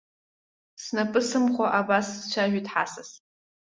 Снапы сымхуа абас дцәажәеит ҳасас.